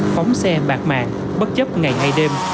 phóng xe bạc mạng bất chấp ngày hay đêm